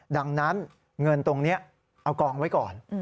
ดังนั้นเงินตรงนี้เอากองไว้ก่อน